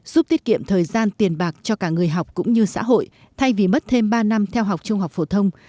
giúp tiết kiệm thời gian tiền bạc cho cả người học cũng như xã hội thay vì mất thêm ba năm theo học trung học phổ thông